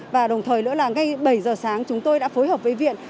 và đồng thời nữa là ngay bảy giờ sáng chúng tôi đã phối hợp với viện